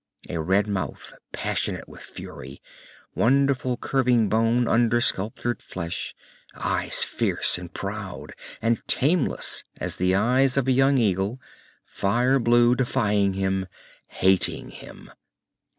A red mouth passionate with fury, wonderful curving bone under sculptured flesh, eyes fierce and proud and tameless as the eyes of a young eagle, fire blue, defying him, hating him....